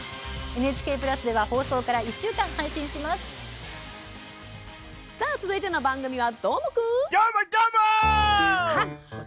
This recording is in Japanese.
ＮＨＫプラスでは、放送から続いての番組はどーも、どーも！